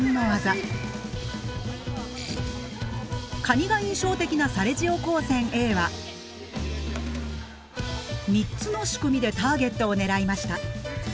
カニが印象的なサレジオ高専Ａは３つの仕組みでターゲットを狙いました。